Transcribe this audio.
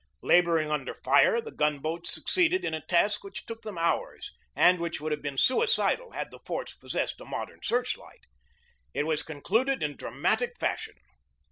Laboring under fire, the gun boats succeeded in a task which took them hours, and which would have been suicidal had the forts possessed a modern search light. It was concluded in dramatic fashion.